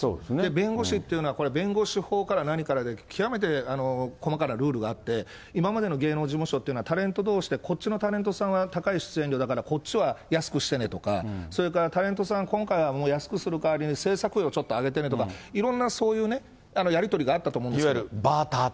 弁護士というのは、これは弁護士法から何からで、極めて細かなルールがあって、今までの芸能事務所っていうのは、タレントどうしで、こっちのタレントさんは高い出演料だからこっちは安くしてねとか、それからタレントさん、今回はもう安くする代わりに、制作料をちょっと上げてねとか、いろんなそういうね、やり取りがいわゆるバーターって。